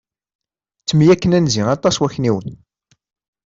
Ttemyakken anzi aṭas wakniwen.